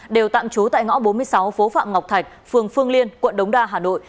đều tạm trú tại ngõ bốn mươi sáu phố phạm ngọc thạch phường phương liên quận đống đa hà nội